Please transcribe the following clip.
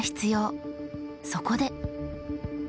そこで。